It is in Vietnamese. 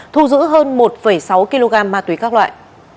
thu giữ hơn một sáu kg ma túy các loại